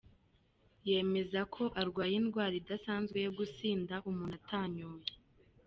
Yemeza ko arwaye indwara idasanzwe yo gusinda umuntu atanyoye.